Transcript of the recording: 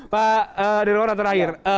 pak denonator akhir